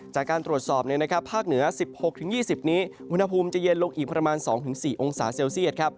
จากการตรวจสอบภาคเหนือ๑๖๒๐นี้อุณหภูมิจะเย็นลงอีกประมาณ๒๔องศาเซลเซียต